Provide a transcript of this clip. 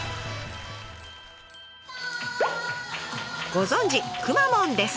ご存じくまモンです！